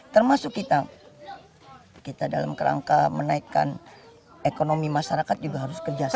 termasuk kita kita dalam kerangka menaikkan ekonomi masyarakat juga harus kerjasama